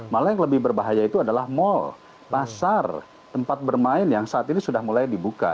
malah yang lebih berbahaya itu adalah mal pasar tempat bermain yang saat ini sudah mulai dibuka